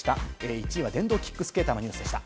１位は電動キックスケーターのニュースでした。